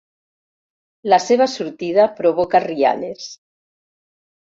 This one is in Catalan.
La seva sortida provoca rialles.